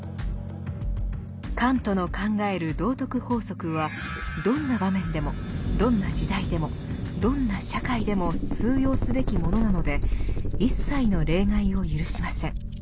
カントの考える道徳法則はどんな場面でもどんな時代でもどんな社会でも通用すべきものなので一切の例外を許しません。